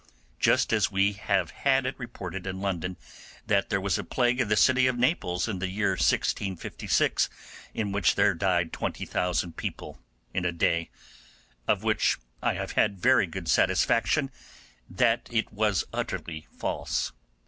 just as we have had it reported in London that there was a plague in the city of Naples in the year 1656, in which there died 20,000 people in a day, of which I have had very good satisfaction that it was utterly false.